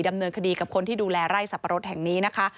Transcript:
ดำเนินคดีกับคนที่ดูแลไร่สับปะรดแห่งนี้นะคะ